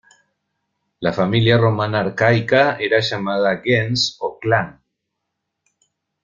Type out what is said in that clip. La familia romana arcaica era llamada gens o "clan".